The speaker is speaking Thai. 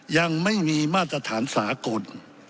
ยังไม่มีมาตรฐานสากล